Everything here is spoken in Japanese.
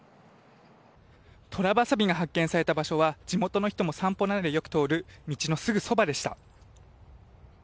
トラバサミが発見された場所は地元の人も散歩などでよく通る道のすぐそばでした。